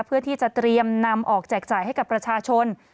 เพื่อที่จะเตรียมนำออกแจกจ่ายให้กับประชาชน